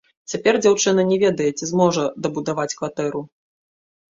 Цяпер дзяўчына не ведае, ці зможа дабудаваць кватэру.